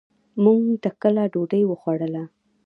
مونږ ټکله ډوډي وخوړله.